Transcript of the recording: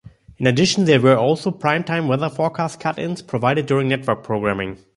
In addition, there were also prime time weather forecast cut-ins provided during network programming.